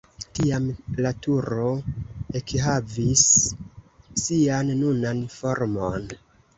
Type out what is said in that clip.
Tiam la tuto ekhavis sian nunan formon.